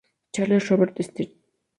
Charles Robert St.